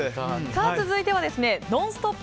続いては、「ノンストップ！」